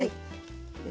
はい。